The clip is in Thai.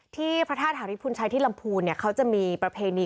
ที่พระธาตุหาริพุนชัยที่ลำพูนเขาจะมีประเพณี